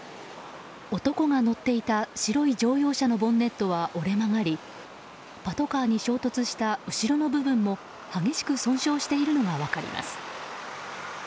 男が乗っていた白い乗用車のボンネットは折れ曲がりパトカーに衝突した後ろの部分も激しく損傷しているのが分かります。